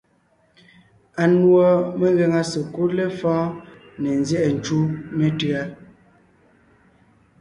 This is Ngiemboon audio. Anùɔ megàŋa sekúd lefɔ̌ɔn ne nzyɛ́ʼɛ ncú metʉ̌a.